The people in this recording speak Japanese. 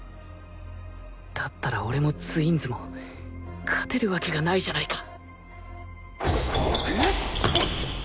だったら俺もツインズも勝てるわけがないじゃないか